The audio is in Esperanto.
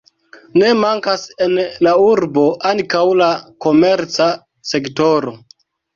Ne mankas en la urbo ankaŭ la komerca sektoro.